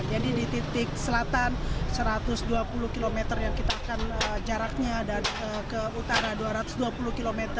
di titik selatan satu ratus dua puluh km yang kita akan jaraknya ke utara dua ratus dua puluh km